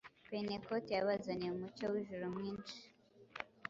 Pentekote yabazaniye umucyo w’ijuru mwinshi.